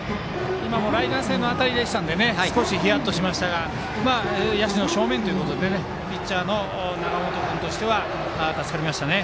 ライナー性の当たりでしたのでヒヤッとしましたが野手の正面ということでピッチャーの永本君は助かりましたね。